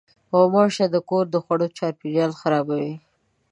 غوماشې د کور د خوړو چاپېریال خرابوي.